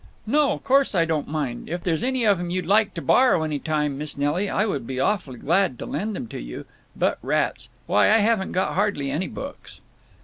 "No, course I don't mind! If there's any of them you'd like to borrow any time, Miss Nelly, I would be awful glad to lend them to you…. But, rats! Why, I haven't got hardly any books."